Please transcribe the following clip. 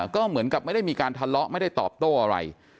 ก็เหมือนกับไม่ได้มีการทะเลาะไม่ได้ตอบโต้อะไร